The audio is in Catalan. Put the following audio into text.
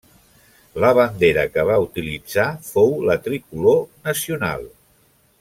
La bandera que va utilitzar fou la tricolor nacional.